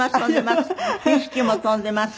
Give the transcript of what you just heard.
２匹も飛んでます。